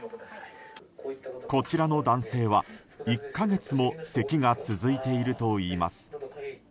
こちらの男性は１か月もせきが続いているといいます。